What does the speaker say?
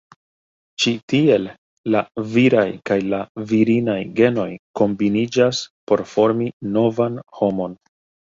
Ĉi tiel la viraj kaj la virinaj genoj kombiniĝas por formi novan homon.